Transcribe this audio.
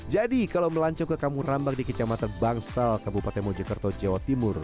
jadi kalau melancong ke kamur rambang di kecamatan bangsal kabupaten mojekerto jawa timur